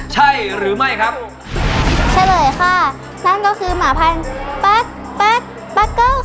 ใช่หรือไม่ครับ